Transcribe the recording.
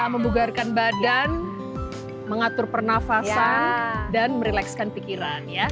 membugarakan badan mengatur pernafasan dan merelaxkan pikiran ya